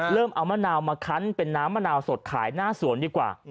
เริ่มเอามะนาวมาคั้นเป็นน้ำมะนาวสดขายหน้าสวนดีกว่า